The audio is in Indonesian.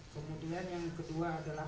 kemudian yang kedua adalah